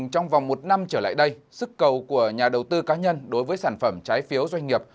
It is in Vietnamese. trong vòng một năm trở lại đây sức cầu của nhà đầu tư cá nhân đối với sản phẩm trái phiếu doanh nghiệp